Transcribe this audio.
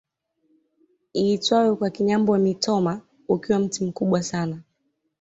Iitwayo kwa Kinyambo emitoma ukiwa mti mkubwa sana